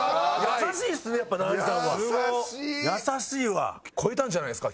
優しいわ！超えたんじゃないですか？